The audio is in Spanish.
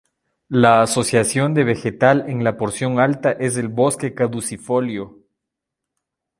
La asociación de vegetal en la porción alta es el bosque caducifolio.